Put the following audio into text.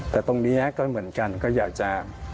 แต่ตรงนี้ก็เหมือนกันก็อยากจะ